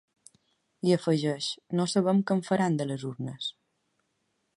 I afegeix: No sabem què en faran, de les urnes.